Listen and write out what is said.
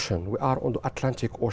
chúng ta đang ở trên thị trấn bắc cộng đồng